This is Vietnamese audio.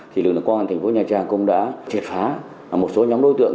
thì lực lượng công an thành phố nhà trang cũng đã triệt phá một số nhóm đối tượng